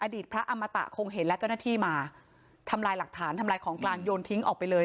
พระอมตะคงเห็นและเจ้าหน้าที่มาทำลายหลักฐานทำลายของกลางโยนทิ้งออกไปเลย